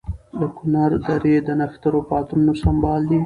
د کنر درې د نښترو په عطرونو سمبال دي.